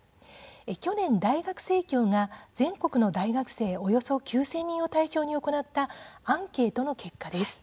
去年、大学生協が全国の大学生およそ９０００人を対象に行ったアンケートの結果です。